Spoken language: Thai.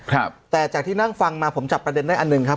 ครับแต่จากที่นั่งฟังมาผมจับประเด็นได้อันหนึ่งครับ